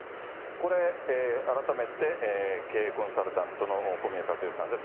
これ、改めて、経営コンサルタントの小宮一慶さんです。